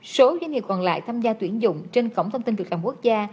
số doanh nghiệp còn lại tham gia tuyển dụng trên cổng thông tin việc làm quốc gia